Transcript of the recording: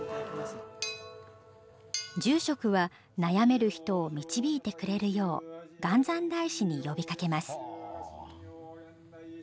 住職は悩める人を導いてくれるよう元三大師に呼びかけます。